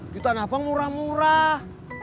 di tanah abang murah murah